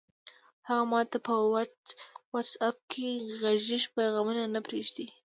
هغه ماته په وټس اپ کې غږیز پیغام نه پرېږدي!